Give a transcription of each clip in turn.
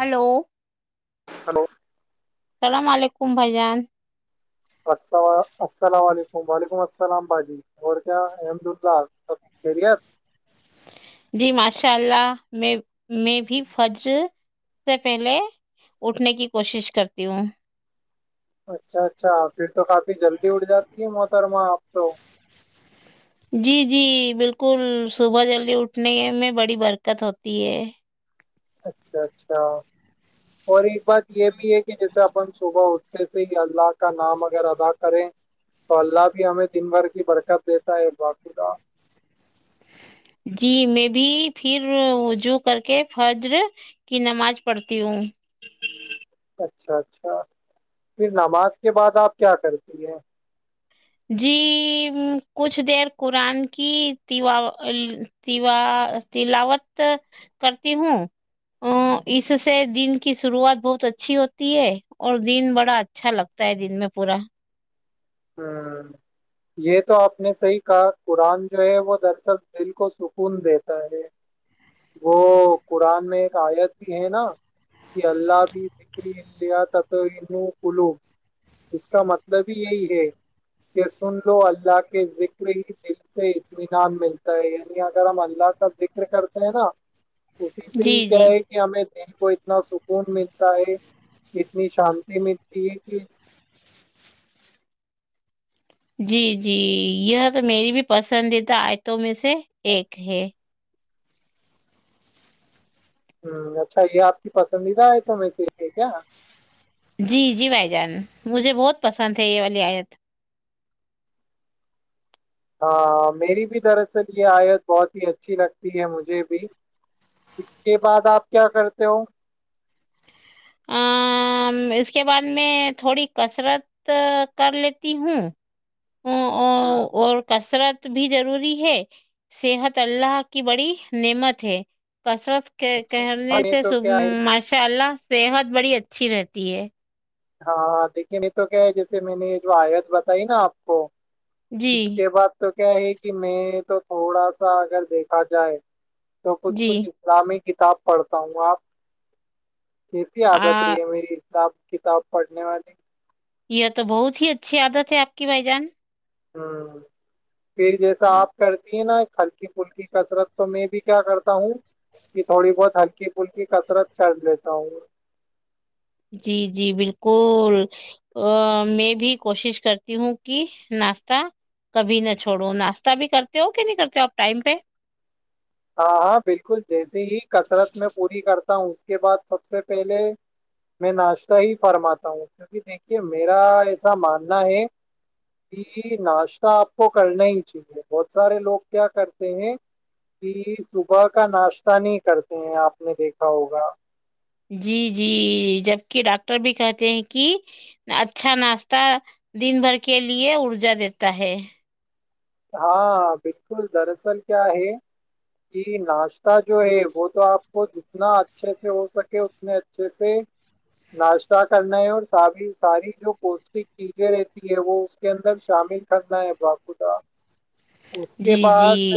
hello [inaudible] اللام علیکم بھائی جان الل السلام علیکم وعلیکم السلام بھجی اور کیا احمد اللہ سب خیریت جی ماشاء اللہ میں میں بھی فجر سے پہلے اٹھنے کی کوشش کرتی ہوں اچھا اچھا پھر تو کافی جلدی اٹ جاتی ہے موٹر اپ تو جی جی بالکل صبح جلدی اٹھنے میں بڑی برکت ہوتی ہے اچھا اچھا اور ایک بات یہ بھی ہے کہ جیسے اپن صبح اٹھنے سے ہی اللہ کا نام اگر ادا کریں تو اللہ بھی ہمیں دن بھر کی برکت دیتا ہے بقدا جی میں بھی پھرجو کر کے فرجر کی نماز پڑھتی ہوں اچھا اچھا پھر نماز کے بعد آپ کیا کرتی ہیں جی کچھ دیر قرآن کیاوا تلاوت کرتی ہوں ا اس سے دن کی شروعات بہت اچھی ہوتی ہے اور دن بڑا اچھا لگتا ہے دن میں پورا ہ یہ تو آپ نے صحیح کہا قرآن جو ہے وہ درصل دل کو سکون دیتا ہے وہ قرآن میں ایک آیت بھی ہے نا کہ اللہ بھی کری ال کلو اس کا مطلب ہی یہی کہ سن لو اللہ کے ذکر ہی دل سے اطمینان ملتا ہے یعنی اگر ہم اللہ کا ذکر کرتے ہیں نا اسی سے جی ہی کیا جی ہے کہ ہمیں کو اتنا سکون ملتا ہے اتنی شانتی ملتی ہے کہ جی جی یہ تو میری بھی پسندیدہ آیتوں میں سے سے ایک ہے ہہم اچھا یہ آپ کی پسندیدہ ہے تو میں سے ہے کیا جی جی بھائی جان مجھے بہت پسند ہے یہ والی آیت ہاں میری بھی دراصل یہ آیت بہت ہی اچھی لگتی ہے مجھے بھی اس کے بعد آپ کیا کرتے ہو اس کے بعد میں تھوڑی کثرت کر لیتی ہوں ا ہوں اور کثرت بھی ضروری ہے صحت اللہ کی بڑی نعمت ہے کثرت کے اچھا کہنے اچھا یہ تو سےب کیا ہے ماشاء اللہ صحت بڑی اچھی رہتی ہے ہاں لیکن یہ تو کیا ہے جیسے میں نے جو آیت بتائی نا آپ کو جی اس کے بعد تو کیا ہے کہ میں تو تھوڑا سا اگر دیکھا جائے تو کچھ جی کچھ اسلامک کتاب پڑھتا ہوں آپ کیسی عادت ہے آ یہ میری ساب کتاب [unintelligible] پڑھنے والے [unintelligible] یہ تو بہت ہی اچھی عادت ہے آپ کی بھائی جان ہہم پھر جیسا ہاں آپ کرتی ہیں نا ہلکی پلکی کثرت تو میں بھی کیا کرتا ہوں کہ تھوڑی بہت ہلکی پلکی کثرت کر لیتا ہوں جی جی بالکل میں بھی کوشش کرتی ہوں کہ ناشتہ کبھی نہ چھوڑوں ناشتہ بھی کرتے ہو کہ نہیں کرتے ہو آپ ٹائم پہ ہاں ہاں بالکل جیسے ہی کثرت میں پوری کرتا ہوں اس کے بعد سب سے پہلے میں ناشتہ ہی فرماتا ہوں کیونکہ دیکھیے میرا ایسا ماننا ہے کہ ناشتہ آپ کو کرنا ہی چاہیے بہت سارے لوگ کیا کرتے ہیں کہ صبح کا ناشتہ نہیں کرتے ہیں آپ نے دیکھا ہوگا جی جی جبکہ ڈاکٹر بھی کہتے ہیں کہ اچھا ناشتہ دن بھر کے لیے ارجا دیتا ہے ہاں بالکل دراصل کیا ہے کہ ناشتہ جو ہے وہ تو آپ کو جتنا اچھے سے ہو سکے اتنے اچھے سے ناشتہ کرنا ہے اور ساری ساری جو پوشٹک چیزیں رہتی ہے وہ اس کے اندر شامل کرنا ہے با خدا اس کے جی جی بعد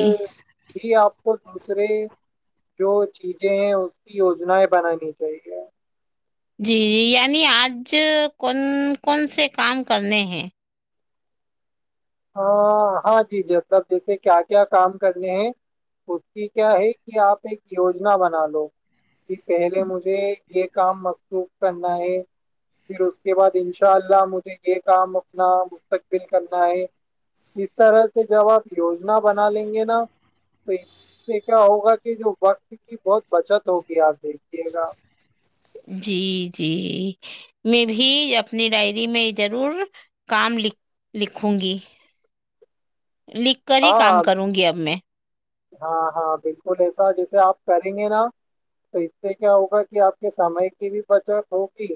بھی آپ کو دوسرے جو چیزیں ہیں اس کی یوجناائیں بنانی چاہیے جی جی یعنی آج کون کون سے کام کرنے ہیں ہاں ہاں جی جب جیسے کیا کیا کام کرنے ہیں اس کی کیا ہے کہ آپ ایک یوجنا بنا لو کہ پہلے مجھے یہ کام مصوخ کرنا ہے پھر اس کے بعد ان شاء اللہ مجھے یہ کام اپنا مستقبل کرنا ہے اس طرح سے جب آپ یوجنا بنا لیں گے نا تو اس سے کیا ہوگا کہ جو وقت کی بہت بچت ہوگی آپ دیکھیے گا جی جی میں بھی اپنی ڈائری میں ضرور کام لہ لکھوں گی لکھ کر ہی کام ہاں کروں گی اب میں ہاں ہاں بالکل ایسا جیسے آپ کریں گے نا تو اس سے کیا ہوگا کہ آپ کے سمے کی بھی بچت ہوگی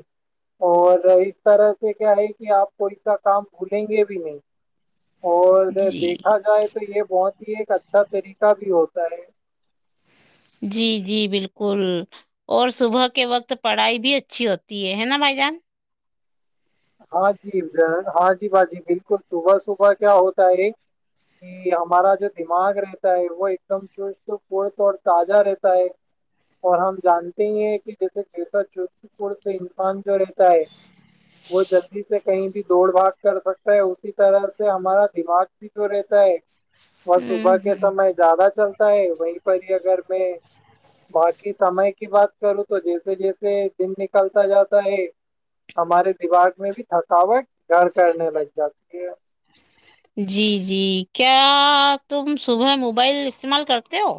اور اس طرح سے کیا ہے کہ آپ کوئی سا کام بھولیں گے بھی نہیں اور تو جی دیکھ تو یہ بہت ہی ایک اچھا طریقہ بھی ہوتا ہے جی جی بالکل اور صبح کے وقت پڑھائی بھی اچھی ہوتی ہے نا بھائی جان ہاں جی ہاں جی باجی بالکل صبح صبح کیا ہوتا ہے کہ ہمارا جو دماغ رہتا ہے وہ ایک دم چست پورت اور تازہ رہتا ہے اور ہم جانتے ہی ہیں کہ جیسے جیسا چست پور انسان جو رہتا ہے وہ جلدی سے کہیں بھی دوڑ بھاٹ کر سکتا ہے اسی طرح سے ہمارا دماغ بھی جو رہتا ہے اور صبح ہوں کے ہوں سمے زیادہ چلتا ہے وہیں پر ہی اگر میں باقی سمے کی بات کروں تو جیسے جیسے دن نکالتا جاتا ہے ہمارے دماغ میں بھی تھکاوٹ گھر کرنے لگ جاتی ہے جی جی کیا تم صبح موبائل استعمال کرتے ہو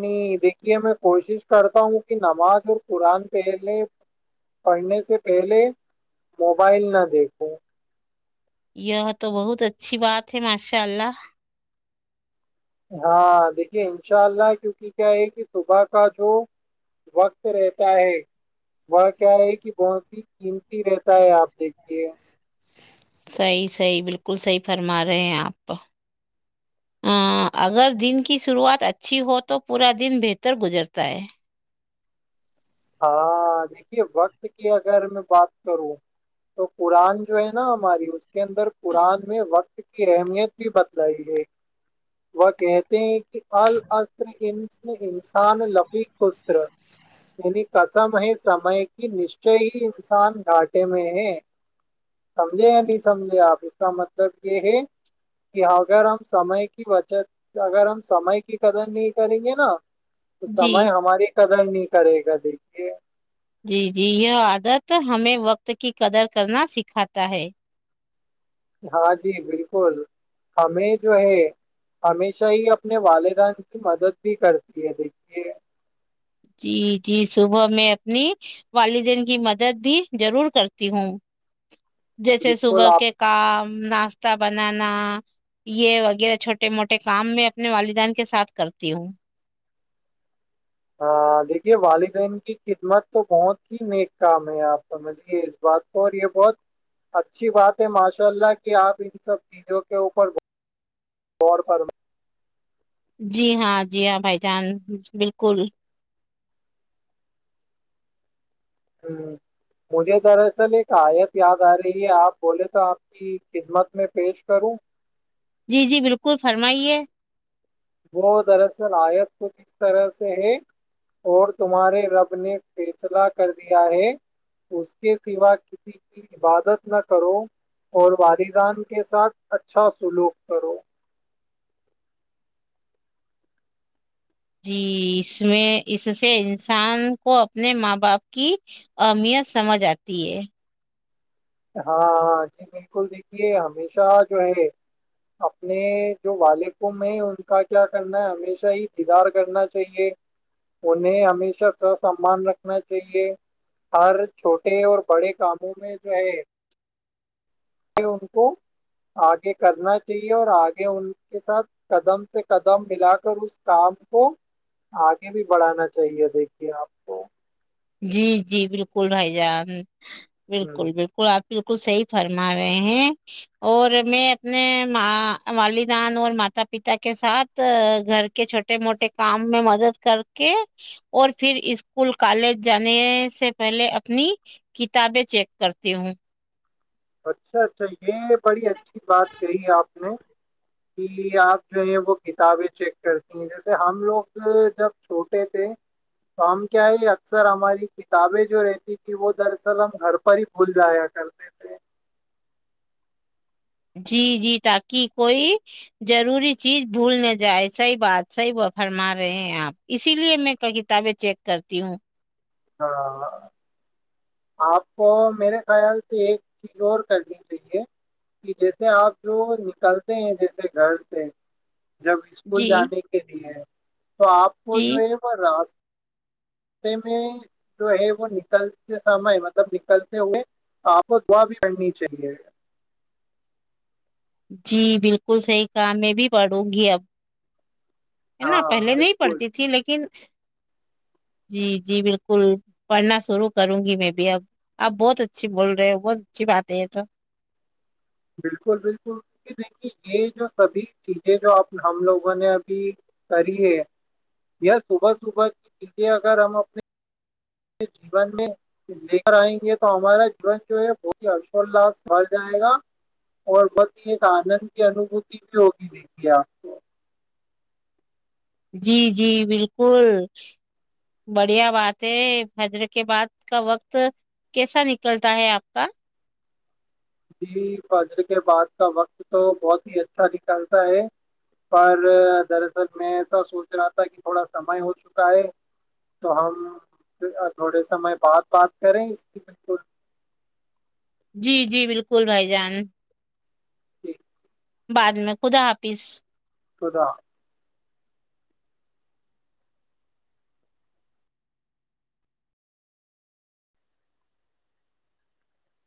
نہیں دیکھیے میں کوشش کرتا ہوں کہ نماز اور قرآن پہلے پڑھنے سے پہلے موبائل نہ دیکھوں یہ تو بہت اچھی بات ہے ماشاء اللہ ہاں دیکھیے انشاء اللہ کیونکہ کیا ہے کہ صبح کا جو وقت رہتا ہے وہ کیا ہے کہ بہت ہی قیمتی رہتا ہے آپ دیکھیے صحیح صحیح بالکل صحیح فرما رہے ہیں آپ اگر دن کی شروعات اچھی ہو تو پورا دن بہتر گزرتا ہے ہاں دیکھیے وقت کی اگر میں بات کروں تو قرآن جو ہے نا ہماری اس کے اندر قرآن میں وقت کی اہمیت بھی بتلائی ہے وہ کہتے ہیں کہ الر انس انسان لفیقر یعنی کسم ہے سمے کی نشچے ہی انسان گھٹے میں ہے سمجھے یا نہیں سمجھے آپ اس کا مطلب یہ ہے کہ اگر ہم سمے کی بچت اگر ہم سمے کی قدر نہیں کریں گے نا تو جی سمئے ہمارے کا ج نہیں [unintelligible] کرے گا دیکھیے جی جی یہ عادت ہمیں وقت کی قدر کرنا سکھاتا ہے ہاں جی بالکل ہمیں جو ہے ہمیشہ ہی اپنے والدین کی مدد بھی کرتی ہے دیکھیے جی جی صبح میں اپنی والدین کی مدد بھی ضرور کرتی ہوں جیسے بالکل صبح آپ کے کام ناشتہ بنانا یہ وغیرہ چھوٹے موٹے کام میں اپنے والدان کے ساتھ کرتی ہوں ہاں دیکھیے والدین کی خدمت تو بہت ہی نیک کام ہے آپ سمجھیے اس بات کو اور یہ بہت اچھی بات ہے ماشاء اللہ کہ آپ ان سب چیزوں کے اوپر غور فم جی ہاں جی ہاں بھائی جان بالکل ہ مجھے دراصل ایک آیت یاد آ رہی ہے آپ بولے تو آپ کی خدمت میں پیش کروں جی جی بالکل فرمائیے وہ دراصل آیت کھ اس طرح سے ہے اور تمہارے رب نے فیصلہ کر دیا ہے اس کے سوا کسی کی عبادت نہ کرو اور والدان کے ساتھ اچھا سلوک کرو جی اس میں اس سے انسان کو اپنے ماں باپ کی اہمیت سمجھ آتی ہے ہاں ہاں جی بالکل دیکھیے ہمیشہ جو ہے اپنے جو والکوں میں ان کا کیا کرنا ہے ہمیشہ ہیتدار کرنا چاہیے انہیں ہمیشہ س سمان رکھنا چاہیے ہر چھوٹے اور بڑے کاموں میں جو ہے [unintelligible] ان کو آگے کرنا چاہیے اور آگے ان کے ساتھ قدم سے قدم ملا کر اس کام کو آگے بھی بڑھانا چاہیے دیکھیے آپ کو جی جی بالکل بھائی جان ہ بالکل بالکل آپ بالکل صحیح فرما رہے ہیں اور میں اپنے والدان اور ماتا پتا کے ساتھ گھر کے چھوٹے موٹے کام میں مدد کر کے اور پھر اسکول کالج جانے سے پہلے اپنی کتابیں چیک کرتی ہوں اچھا اچھا یہ بڑی اچھی بات کہی اپ نے لیا جو ہے وہ کتابیں چیک کرتی ہیں جیسے ہم لوگ جب چھوٹے تھے تو ہم کیا ہے اکثر ہماری کتابیں جو رہتی تھی وہ دراصل ہم گھر پر ہی بھول جایا کرتے تھے جی جی تاکہ کوئی ضروری چیز بھول نہ جائے صحیح بات صحیح وہ فرما رہے ہیں آپ اسی لیے میں کتابیں چیک کرتی ہوں ہاں آپ کو میرے خیال سے ایک چیز اور کرنی چاہیے کہ جیسے آپ جو نکلتے ہیں جیسے گھر سے جب اسکول جی جانے کے لیے تو آپ کو جی جو ہے وہ راس پ میں [unintelligible] جو ہے وہ نکلتے سمے مطلب نکلتے ہوئے آپ کو دعا بھی کرنی چاہیے جی بالکل صحیح کام میں بھی پڑوں گی اب ن ہاں پہلے نہیں بالکل پڑتی تھی لیکن جی جی بالکل پڑھنا شروع کروں گی میں بھی اب آپ بہت اچھی بول رہے ہو بہت اچھی بات ہے یہ تو بالکل بالکل دیکھیے یہ جو سبھی چیزیں جو ہم لوگوں نے ابھی کری ہے یا صبح صبح کی چیزیں اگر ہم اپنے جیون میں لے کر آئیں گے تو ہمارا جیون جو ہے بہت ہی ہرشولاس بھر جائے گا اور بہت ہی ایک آنند کی انوبوتی بھی ہوگی دیکھی آپ جی جی بالکل بڑھیا بات ہے حضرت کے بعد کا وقت کیسا نکلتا ہے آپ کا جی فجر کے بعد کا وقت تو بہت ہی اچھا نکالتا ہے پر دراصل میں ایسا سوچ رہا تھا کہ تھوڑا سمئے ہو چکا ہے تو ہم تھوڑے سمے بعد بات کریں اس کی بالکل جی جی بالکل بھائی جان جی بعد میں خدا حافظ تودا [unintelligible]